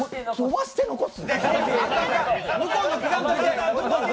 飛ばして残す！？